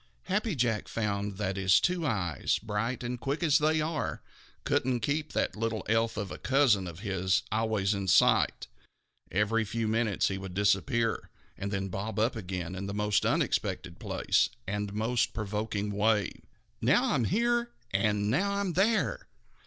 Happy Jack found that his two eyes, bright and quick as they are, couldn't keep that little elf of a cousin of his always in sight. Every few minutes he would disappear and then bob up again in the most unexpected place and most provoking way. "Now I'm here, and now I'm there!